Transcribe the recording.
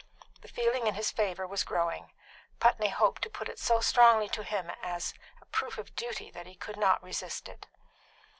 The feeling in his favour was growing. Putney hoped to put it so strongly to him as a proof of duty that he could not resist it.